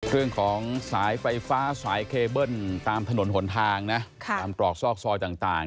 เรื่องของสายไฟฟ้าสายเคเบิ้ลตามถนนหนทางนะตามตรอกซอกซอยต่าง